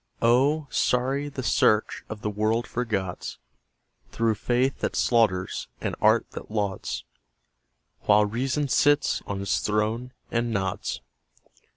Oh, sorry the search of the world for gods, Through faith that slaughters and art that lauds, While reason sits on its throne and nods.